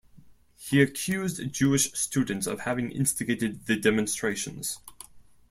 He accused Jewish students of having instigated the demonstrations.